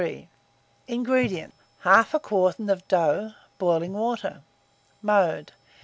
INGREDIENTS. 1/2 quartern of dough, boiling water. Mode.